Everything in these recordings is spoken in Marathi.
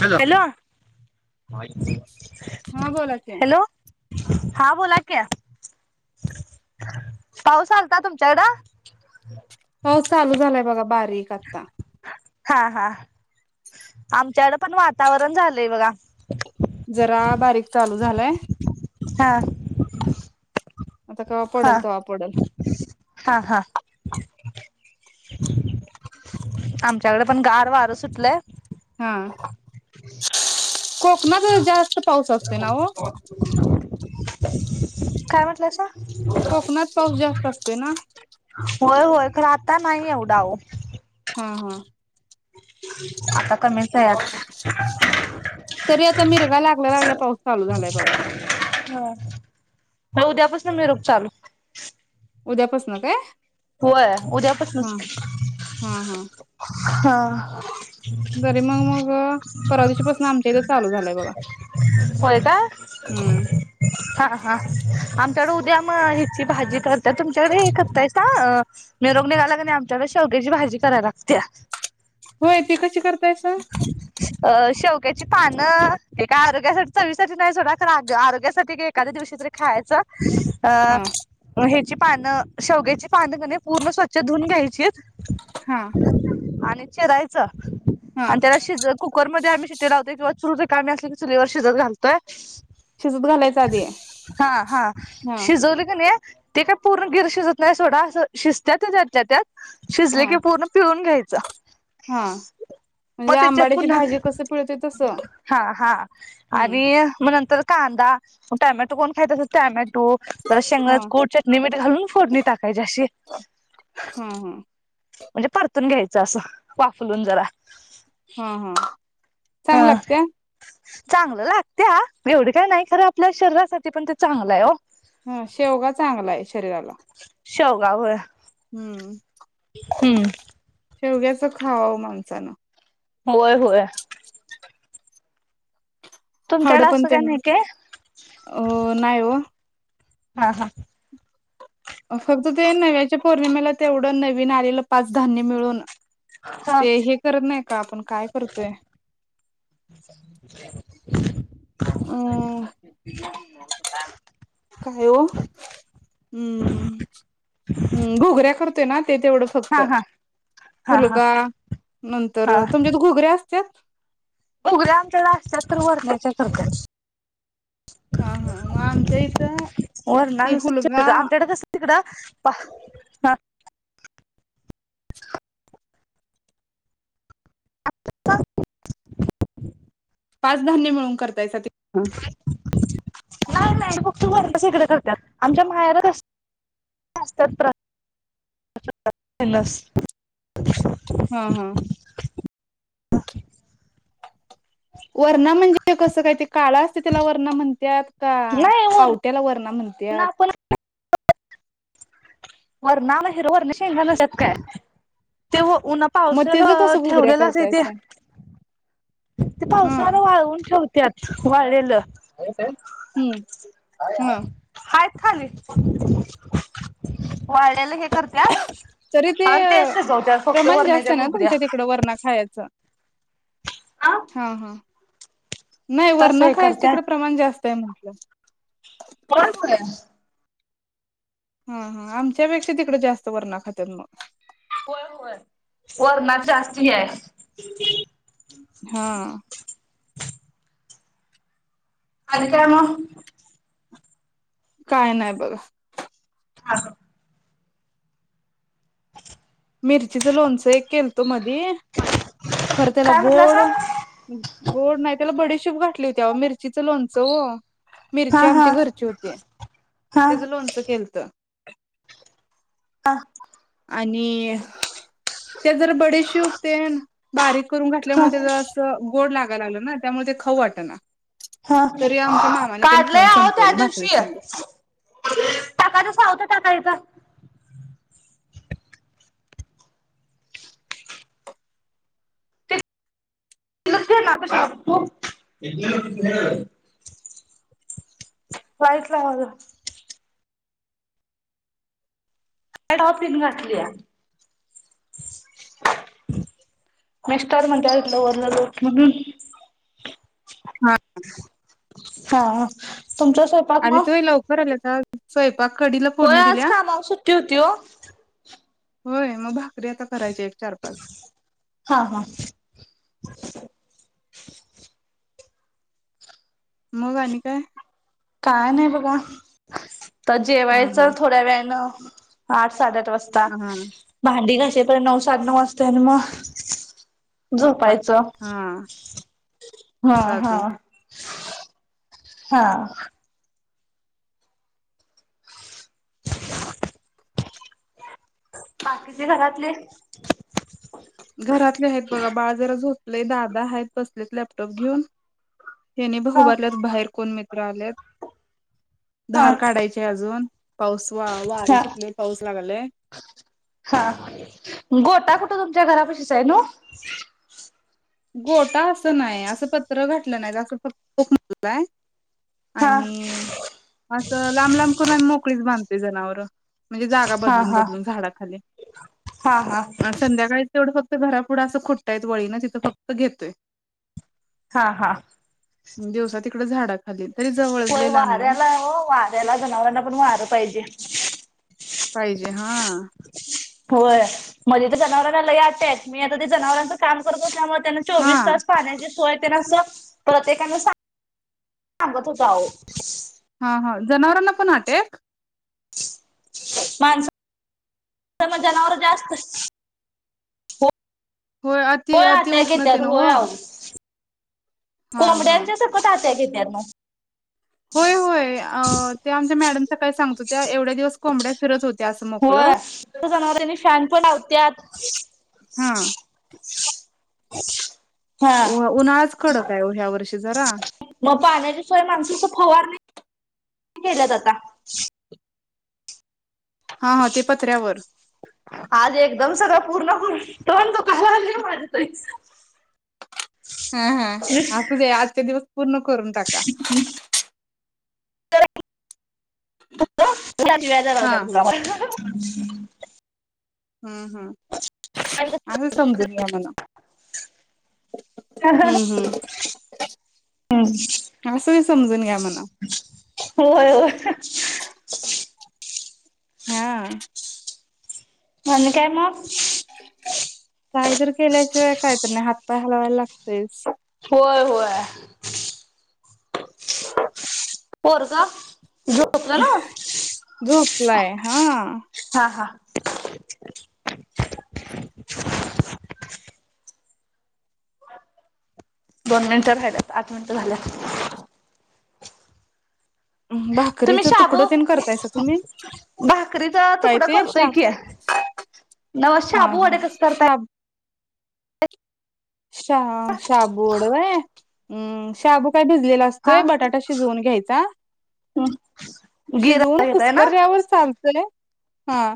हॅलो [unintelligible] हा बोला की हॅलो हां बोला की पाऊस आलता तुमच्याकडं? पाऊस चालू झालाय बघा बारीक ब्रेक आत्ता हा हा आमच्याकड पण वातावरण झालंय बघा. जरा बारीक चालू झालायं. हां आता केव्हा हां पडेल तेव्हा पडेल हा हां आमच्याकडे पण गार वारं सुटलय हां कोकणात जरा जास्त पाऊस असतोय ना ओ काय म्हटलंयसा [inaudible] कोकणात पाऊस जास्त असतोय ना होय होय खराब आता नाही एवढा आहो. हं हं आता कमीचय यात तरी आता मिरघा लागल्या लागल्या पाऊस चालू झालाय बघा. आहे उद्यापासून मीरुघ चालू. उद्यापासन काय? होय हा उद्यापासनच हा हां [inaudible] जरी मग मग परवा दिवशीपासून आमच्या इथं चालू झालंय बघा होय का हम् [inaudible] आमच्याकडे उद्या मग हिची भाजी करतात तुमच्याकडे हे करताय? हां... मिेरूग निघाला की नाय आमच्याकडे शेवग्याची भाजी कराय लागतया होय ती कशी करतायसा? त्याची पानं एक आरोग्यासाठी चवीसाठी नाही सोडा आ आरोग्यासाठी ए एखांद्या दिवशी तरी खायचं. हा [inaudible] अं ह्याची पान शेवग्याची पानं पूर्ण स्वच्छ धुण घ्यायचीत हा आणि चिरायचं हा आणि त्याला शिज कुकरमध्ये आम्ही शिट्टी लावते किंवा चुर.. काय मी असलं की चुलीवर शिजत घालतोय. शिजत घालायच आधी [inaudible] हां हां हा शिजवली क नाही.. ते काय पूर्ण गिर शिजत नाही.. थोडा असं शिजत्या त्या ज्याच्या त्यात शिजले हा की पूर्ण पिळून घ्याय हा [unintelligible] मग म्हणजे त्याच्यात आंबाड्याची पुन्हा भाजी कसं पिळतोय तसं हां हां हम्म आणि मग नंतर कांदा टॅमॅटो कोण खायचं अस टॅमॅट कुट हा शेंगदाणेचं कुट नि मीट घालून फोडणी काय जाशील हा हा म्हणजे परतून घ्यायचं असं वाफलून जरा. ह ह चांग ह लागत्या चांगलं लागत्या एवढी काय नाही खरं आपल्या शरीरासाठी पण ते चांगलं आहे ओ हं शेवगा चांगला आहे. शरीराला शेवगा व्हय हं हंम् शेवग्याचं खावं माणसानं. होय, होय हड तुमच्याकडे पण असं काय त्यां नाही काय अं नाही हो... हा हा फक्त ते नव्याच्या पौर्णिमेला तेवढं नवीन आलेलं पाच धान्य मिळून.. हा ते हे करत नाही का? आपण काय करतोय [inaudible] अं [unintelligible] काय हो? हं हं घोगऱ्या करतोय ना.. ते तेवढं फक्त हा हा हा हा फुलगा नंतर तुमच्या त घोगऱ्या अस तेात [unintelligible] उगद्या आमच्या ला असत्यात तर वरण्याच्या करतत्यात. हा हा मग आमच्या इथं ते हूलगा पाहं पा अ [unintelligible] पाच धान्य मिळून करत्यायचा ते [unintelligible] नाही नाही बक् तयंत सगडें करत्या त आमच्या मायारच असतात. नस ह ह. [inaudible] वर्ण म्हणजे ते कसं काय ते काळा असते त्याला वर्ण म्हणत्यात. का नाही वरण पावट्याला वरणा म्हण त्या वर नाम हिरवं शत काय तेव्हा उन मग पावसाला त्याच कसं घुगऱ्या ठेवलेलं अस इथे करतायसा ते हा पावसाला वाळवून ठेवत्यात.. वाळलेलं. हम्म हम्म. हायत खाली वाळलेलं हे करत्या आणि ते शिजवत्यात फक्त प्रमाण जास्त वरण्याच्या आहे ना घुगऱ्या. तुमच्या तिकडं वरणा खायचं हा हा. नाही तसं वरन्या हे खायचं तिकडें करत्यात प्रमाण जास्त आहे म्हण [unintelligible] कोण होय? हा हा आमच्यापेक्षा तिकडं जास्त वरण्या खात्यात म. होय होय वरण्या जास्ती ये. हा. आणि काय म? काय नाही बघ. हा. मिरचीच लोणचं एक केल त ध्ये खर त्याला काय गोड म्हटलासा गोड नाही त्याला बडी शोप घातली होती आव मिरचीचं लोणचं व हा मिरची हा आमच्या घरची होती हा त्याच लोणचं केलत. हा आणि? ते जर बडे शवपते बारीक घल्या हा गड ला गलाल ना त्यामुळे ते खाऊ वाटना हा तरी आमच्या मामाने तेन काढलंय खाऊन आह त्या संपवलं भाकरी दिवशी संग टाकाचच आवत टाकायच वायला टॉपिन घातली मेस्टर म्हणलं वरलं लो म्हणून हा तुमच्या स्वयंपाक आणि म तो [unintelligible] होय फोडणी आज दिल्या काम सुट्टी होती हो. होय मग भा. शुक्रिता करायची एक चार पाच. हा हा मग आणि काय? का नाही बघा. तर हा हा जेवायचं थोड्या वेळनें. ह. साडेआठ वाजता हा भांडी घास. तेेपर् नऊ साडे नऊ वाजता आणि मग वाटते झोपायचं हा हा हा चालते हा बाकीचे घरातले. घरातले आहेत बघा बाळ जरा झोपले दादा आहेत बसलेत लॅपटॉप घेऊन हेने बहु हा बातल्यात बाहेर कोण मि कोण तर आलेत. हा धार काढायची अजून. पाऊस वा वारं हा सुटले पाऊस लागलाय हा गोटा कुठ त त्या घरा पशीच आहे न. गोटा असं नाही असं पत्र घटलं नाही अस फक्कय. हा आणि असं लांब लांब करून आणि मोकळीच बांधत. जनावर. म्हणजे जागा हा बदलून हा बदलून झाडाखाली हा हा अ संध्याकाळीच तेवढं घरापुंढ असं खुट्ट हाईत वळीन तिथं फक अ घेतोय हा हा पुढं झाडात होय वाऱ्यालाय ओ वाऱ्याला जनावरांना पण वारं पाहिजे. पाहिजे हा होय मध्ये तर जनावरांना लई [unintelligible] मी आता ते जनावरांच काम करत असल्यामुळ त्यांना हा चोवीस तास पाण्याची सोय तेन असं प्रत्येकाना सांग सांगत होत आओ हा हा जनावरांना पण अटॅक? माणस तर म जनावर जास्त हो अति होय अति अटॅक येत्यात उष्णतेन होय ओ अहो कोंबड्यांच्या सकट अटॅक [unintelligible] होय होय अ ते आमच्या मॅडम तर काय सांगत होत्या एवढ्या दिवस कोंबड्या फिरत होत होय ते जनावरांनी शान पण लावत्यात [inaudible] हा हा उन्हाळाच कडक आहे ओ ह्या वर्षी जरा मग पाण्याची सोय माणस नुसता फवारणी केलंत आता हा हा ते पत्र्यावर आज एकदम सगळं पूर्ण होईल तोंड दुखालागलय माझं तरी हा हा असू दे आजच्या दिवस पूर्ण करून टाका. [inaudible] हा [unintelligible] [inaudible] हम्म हम्म असुदे समजून घ्या म्हणावं. हम्म असं समजून घ्या म्हणा. होय होय हा. [unintelligible] काय मग कायतर केल्याशिवाय कायतर नाय हात पाय हालवाय लागतयच. होय होय पोरग झोपलाय हा [unintelligible] दोन मिनिट राहिल्यात आठ मिनिट झाल्या. तुम्ही भाकरीच तुकड शाबू ते करतायस तुम्ही भाकरीचा काय तुकडा ते करतोय शाब की नव हा शाबू हा वडे कसे करताय? शाब शा शाबू वड वय हम्म शाबू काय भिजलेला हा असतोय बटाटा शिजवून घ्यायचा. शिजवून गिरा घेताय ना? कुसकर्यावर चालतोय हा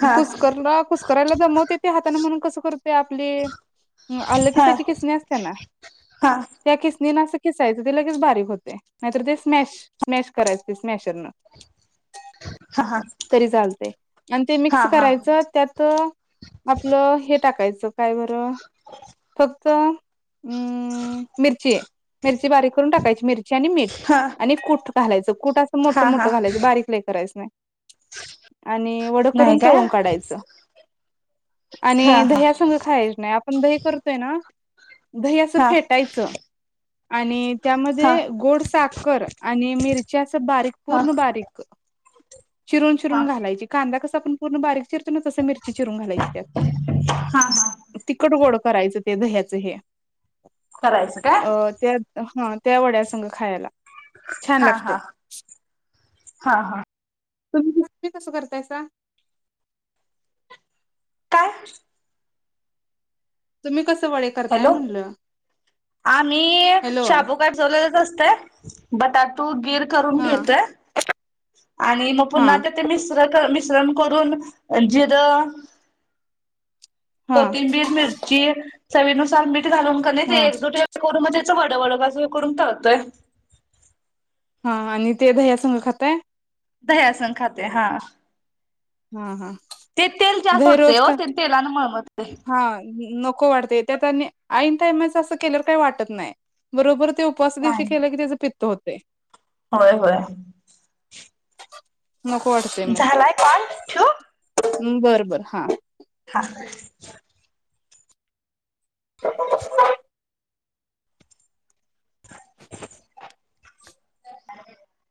हा कुसकरला कुसकरा्याला जमवते ते हाताने म्हणून कस करतय. आपली अल हा किसाची किसणी असते ना हा त्या किसणीना किसणीना असं खिसायचं ते लगेच बारीक होते नाहीतर ते स्मॅश स्मॅश करायचे. समाचार हा हा तरी चालते आणि ते मिक्स हा हा करायचं त्यात आपलं हे टाकायचं. त काय बरं. तर हम्म मिरची आहे मिरची बारीक करून टाकायची. मीठ मिरची हा आणि कूट घालायच कूट असं मोठ हा मोठ हा घालायचं. बारीकला करायचं. नाही आणि वड करून नाही काय? तळून काढायचं. हा आणि हा दह्या संघ खायच नाही आप दही करतोय ना दही अस हा फेटायचं आणि हा त्यामध्ये गोड साखर आणि मिरची [unintelligible] बारीक हा पूर्ण बारीक चिरून हा चिरून घालायची. कांदा कस आपण पूर्ण बारीक च त मिर चिरून घालायची त्या हा हा टिकतगोड करायचं ते दह्याचं हे करायचं का अ त्या हा त्या वड्या संघ खायला. छान हा हा लागतय हा हा तुम्ही कसं करतायचा. काय तुम्ही कस व करताय हॅलो म्हणलं. आम्ही हॅलो शाबूकाठ चल बटाटु गीर करून हा घेत आणि मग हा पुन्हा आता ते मिश्र मि करून जीर हा कोथिंबीर मिरची. चवीनुसार मीठ. ते घालून किनाय ते. हा [unintelligible] त्याच वडवड बाजूला करून तळतोय. हा आणि ते दह्या संग खाताय दह्या संग खातय हा. हा हा. ते तेल जास्त दही सोडतंय रोज ओ काय? ते तेलानं मळमळतंय हा नको वाढते त्यात आणि ऐन टायमाच असं केल्यावर काही वाटत नाही. बरोबर ते उपवास दिवशी केले की त्याच पित्त पित्त होतय. होय होय. हो [inaudible] झालाय कॉल. ख [unintelligible] बरबर हा. हा. [inaudible] [inaudible]